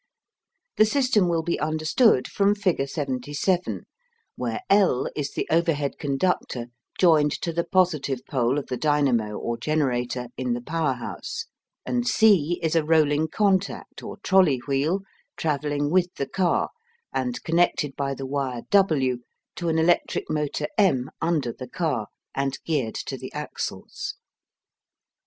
The system will be understood from figure 77, where L is the overhead conductor joined to the positive pole of the dynamo or generator in the power house, and C is a rolling contact or trolley wheel travelling with the car and connected by the wire W to an electric motor M under the car, and geared to the axles.